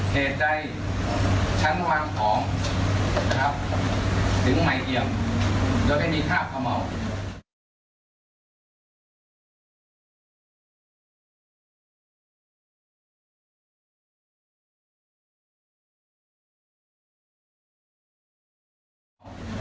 เหตุใจชั้นวาง๒ถึงใหม่เกี่ยวและไม่มีท่าขาวเมา